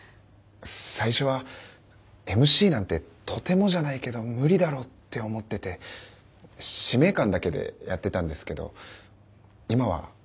最初はＭＣなんてとてもじゃないけど無理だろうって思ってて使命感だけでやってたんですけど今はすごく楽しいです。